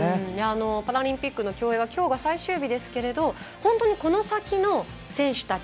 パラリンピックの競泳はきょうが最終日ですけれど本当にこの先の選手たち